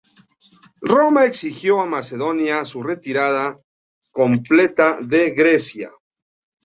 Roma exigió a Macedonia su retirada completa de Grecia.